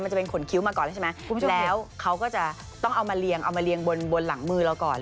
จะเป็นขนคิ้วมาก่อนแล้วใช่ไหมแล้วเขาก็จะต้องเอามาเรียงเอามาเรียงบนหลังมือเราก่อน